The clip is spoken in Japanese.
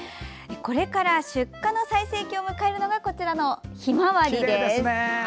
これから出荷の最盛期を迎えるのが、ひまわりです。